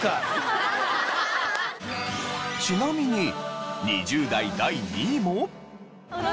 ちなみに２０代第２位も。